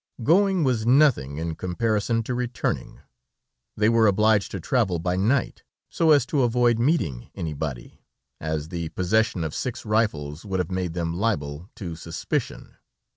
Going was nothing in comparison to returning. They were obliged to travel by night, so as to avoid meeting anybody, as the possession of six rifles would have made them liable to suspicion.